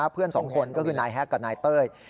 เพื่อนสองคนก็คือนายแฮกกับนายเต้ย